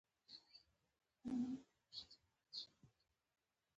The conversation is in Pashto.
په خبرو کې یې پوه کړم چې زموږ حکومت را روان دی.